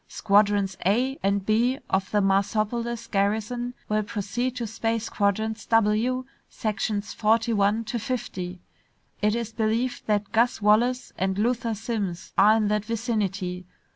Squadrons A and B of the Marsopolis garrison will proceed to space quadrants W, sections forty one to fifty. It is believed that Gus Wallace and Luther Simms are in that vicinity.